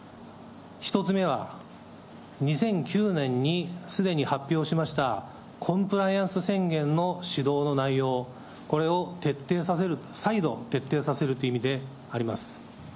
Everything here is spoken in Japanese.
１つ目は、２００９年にすでに発表しましたコンプライアンス宣言の指導の内容、これを徹底させる、再度徹底させるという意味であります。